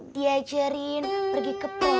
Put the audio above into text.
diajarin pergi ke poyek